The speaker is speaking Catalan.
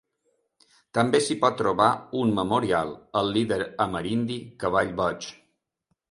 També s'hi pot trobar un memorial al líder amerindi Cavall Boig.